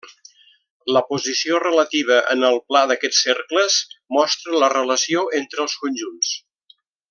La posició relativa en el pla d'aquests cercles mostra la relació entre els conjunts.